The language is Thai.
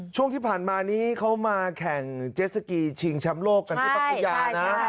ช่วงที่ผ่านมานี้เขามาแข่งเจสสกีชิงแชมป์โลกกันที่พัทยานะ